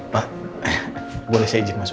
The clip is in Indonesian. kakak ke medal pern hai hai hai hai hai